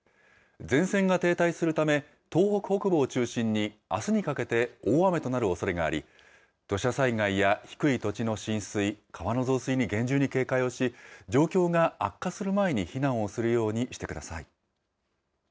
前線が停滞するため、東北北部を中心に、あすにかけて大雨となるおそれがあり、土砂災害や低い土地の浸水、川の増水に厳重に警戒をし、状況が悪化する前に避難をするようにしてください。